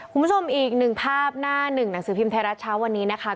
คุณผู้ชมอีกหนึ่งภาพหน้าหนึ่งหนังสือพิมพ์ไทยรัฐเช้าวันนี้นะคะ